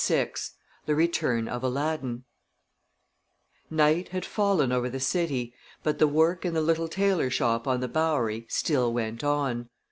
VI THE RETURN OF ALADDIN Night had fallen over the city, but the work in the little tailor shop on the Bowery still went on.